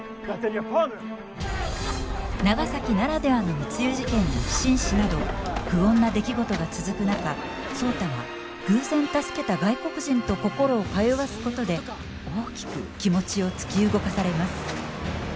長崎ならではの密輸事件や不審死など不穏な出来事が続く中壮多は偶然助けた外国人と心を通わすことで大きく気持ちを突き動かされます。